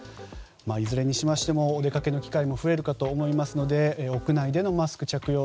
いずれにしてもお出かけの機会も増えるかと思いますので屋内でのマスク着用